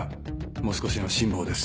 もう少しの辛抱です。